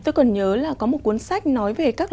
tôi còn nhớ là có một cuốn sách nói về các loại gia đình